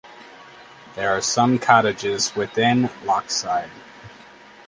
There are some cottages within Lochside.